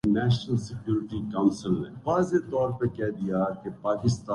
تشدد سب جانتے ہیں کہ بد ترین گھٹن کو جنم دیتا ہے۔